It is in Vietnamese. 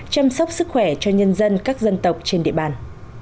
chăm sóc sức khỏe cho nhân dân các dân tộc trên địa bàn